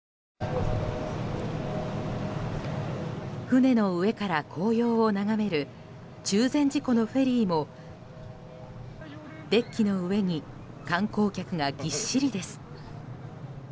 船の上から紅葉を眺める中禅寺湖のフェリーもデッキの上に観光客がぎっしりです。